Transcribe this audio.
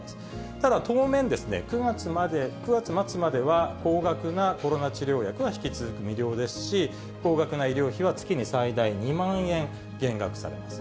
ただ、当面、９月末までは高額なコロナ治療薬は引き続き無料ですし、高額な医療費は月に最大２万円減額されます。